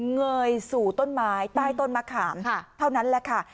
เงยสู่ต้นไม้ใต้ต้นมะขามเท่านั้นแหละค่ะ